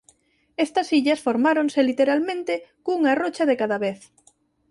Estas illas formáronse literalmente cunha rocha de cada vez.